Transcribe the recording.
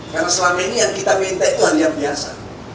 karena selama ini yang kita minta itu hal yang biasa